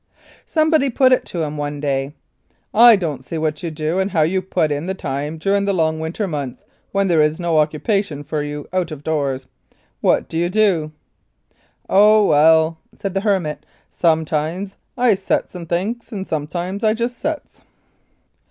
Somebody put it to him one day : "I don't see what you do and how you put in the time during the long winter months when there is no occupation for you out of doors. What do you do ?" "Oh, well," said the hermit, "sometimes I sets and thinks, and sometimes I just sets